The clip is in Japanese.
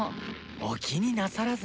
お気になさらず。